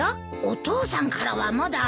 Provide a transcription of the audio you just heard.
お父さんからはまだ。